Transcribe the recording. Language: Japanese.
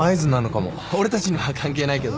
俺たちには関係ないけど。